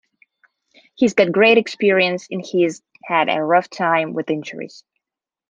He's got great experience and he's had a rough time with injuries.